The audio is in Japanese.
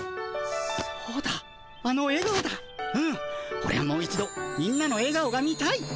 オレはもう一度みんなのえがおが見たい。